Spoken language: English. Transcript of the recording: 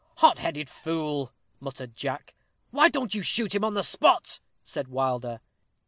"Hot headed fool!" muttered Jack. "Why don't you shoot him on the spot?" said Wilder.